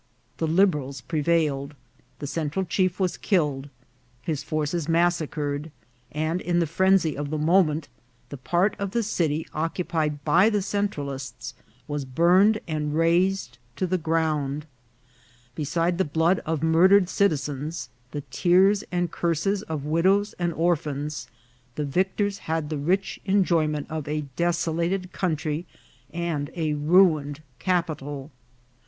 The Liberals prevailed ; the Central chief was killed, his forces mas sacred, and in the phrensy of the moment, the part of the city occupied by the Centralists was burned and razed to the ground ; besides the blood of murdered citizens, the tears and curses of widows and orphans, the victors had the rich enjoyment of a desolated coun try and a ruined capital.